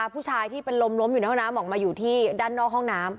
ผู้ชายที่เป็นลมล้มอยู่ในห้องน้ำออกมาอยู่ที่ด้านนอกห้องน้ำ